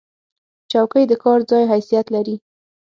چوکۍ د کار ځای حیثیت لري.